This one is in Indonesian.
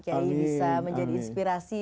kiayi bisa menjadi inspirasi